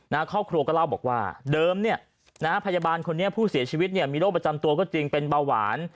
ครอบครัวก็เล่าบอกว่าเดิมเนี่ยนะฮะพยาบาลคนนี้ผู้เสียชีวิตเนี่ยมีโรคประจำตัวก็จริงเป็นเบาหวาน